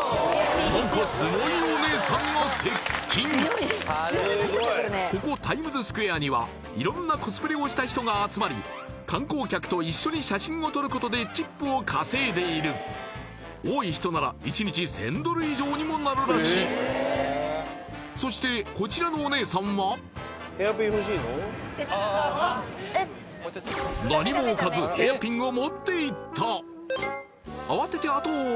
何かここタイムズスクエアには色んなコスプレをした人が集まり観光客と一緒に写真を撮ることでチップを稼いでいる多い人なら１日１０００ドル以上にもなるらしいそしてこちらのお姉さんは何も置かず慌てて後を追う